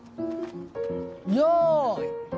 よい！